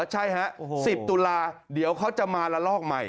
ใช่ฮะ๑๐ตุลาเดี๋ยวเขาจะมาละลอกใหม่